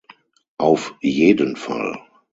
Auf jeden Fall!